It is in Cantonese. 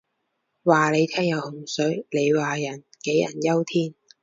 話你聽有洪水，你話人杞人憂天